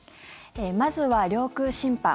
まずは領空侵犯。